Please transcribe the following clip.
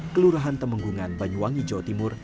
kelurahan temenggungan banyuwangi jawa timur